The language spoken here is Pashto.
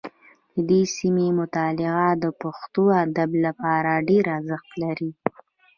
د دې سیمې مطالعه د پښتو ادب لپاره ډېر ارزښت لري